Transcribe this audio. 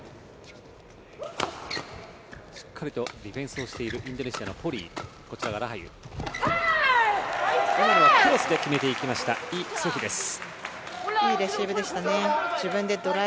しっかりとディフェンスをしているインドネシアのポリイ。